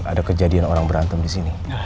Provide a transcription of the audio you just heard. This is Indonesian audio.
ada kejadian orang berantem disini